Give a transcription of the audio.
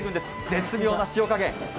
絶妙な塩加減。